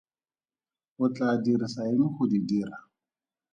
O tlaa dirisa eng go di dira?